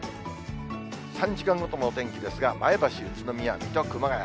３時間ごとのお天気ですが、前橋、宇都宮、水戸、熊谷。